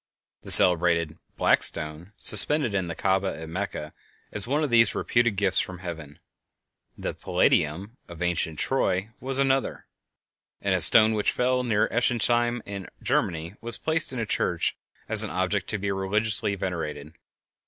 The celebrated "black stone" suspended in the Kaaba at Mecca is one of these reputed gifts from heaven; the "Palladium" of ancient Troy was another; and a stone which fell near Ensisheim, in Germany, was placed in a church as an object to be religiously venerated.